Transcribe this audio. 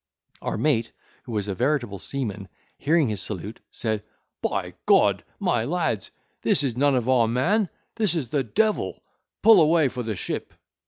Our mate, who was a veritable seaman, hearing his salute, said, "By G—, my lads, this is none of our man. This is the devil—pull away for the ship."